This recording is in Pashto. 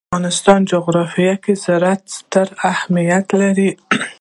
د افغانستان جغرافیه کې زراعت ستر اهمیت لري.